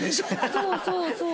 そうそうそう。